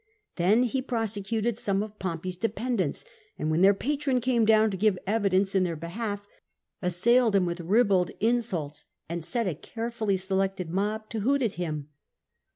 Then he prosecuted some of Pompey's dependents, and when their patron came down to give evidence in their behalf, assailed him with ribald insults and set a carefully selected mob to hoot at him.